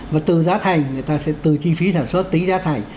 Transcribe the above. và từ giá thành người ta sẽ từ chi phí sản xuất tính giá thành